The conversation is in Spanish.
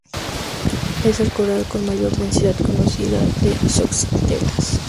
Es el coral con mayor densidad conocida de zooxantelas.